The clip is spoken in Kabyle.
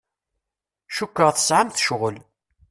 Cukkeɣ tesɛamt ccɣel.